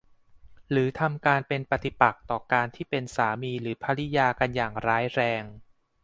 หรือทำการเป็นปฏิปักษ์ต่อการที่เป็นสามีหรือภริยากันอย่างร้ายแรง